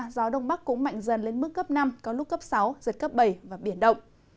gió đông bắc cũng mạnh dần lên mức cấp năm có lúc cấp sáu giật cấp bảy và biển động